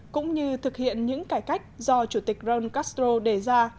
cũng như thực hiện những cải cách do chủ tịch ron castro đề ra